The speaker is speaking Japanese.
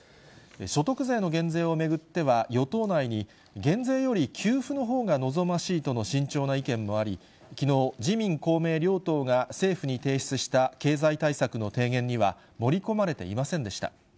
所得税の減税を巡っては、与党内に減税より給付のほうが望ましいとの、慎重な意見もあり、きのう、自民、公明両党が政府に提出した経済対策の提言には、盛り込まれていませんでした。